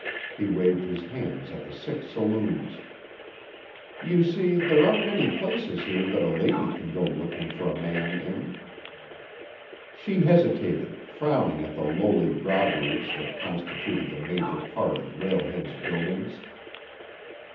He waved his hands at the six saloons. "You see, there aren't many places here that a lady can go looking for a man in." She hesitated, frowning at the lowly groggeries that constituted the major part of Rail Head's buildings.